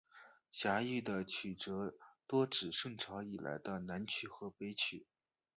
狭义的曲则多指宋朝以来的南曲和北曲。